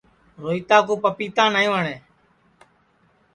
روہیتا کُو پَپیتا نائی وٹؔے